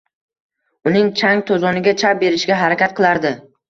Uning chang-to‘zoniga chap berishga harakat qilardi